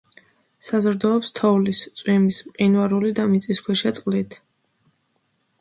საზრდოობს თოვლის, წვიმის, მყინვარული და მიწისქვეშა წყლით.